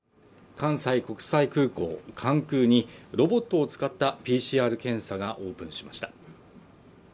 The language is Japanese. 関西国際空港関空にロボットを使ったＰＣＲ検査がオープンしました